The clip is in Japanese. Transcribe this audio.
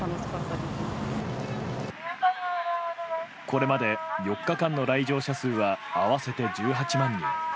これまで４日間の来場者数は合わせて１８万人。